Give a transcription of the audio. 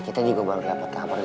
kau malah tamat